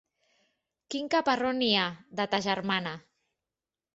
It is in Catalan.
Quin caparró n'hi ha, de ta germana!